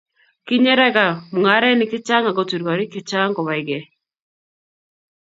kinyeraka mung'arenik che chang' akutur koriik che chang' kobai gei